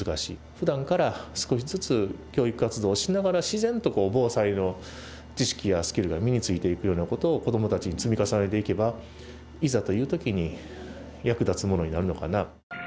ふだんから少しずつ教育活動をしながら自然と防災の知識やスキルが身についていくようなことを子どもたちに積み重ねていけばいざという時に役立つものになるのかな。